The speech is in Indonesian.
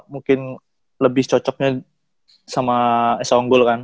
mungkin lebih cocoknya sama esol kan